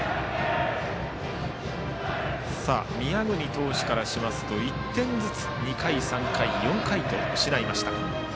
宮國投手からしますと１点図う、２回、３回、４回と失いました。